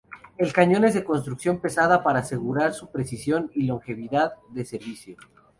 El cañón es de construcción pesada para asegurar su precisión y longevidad de servicio.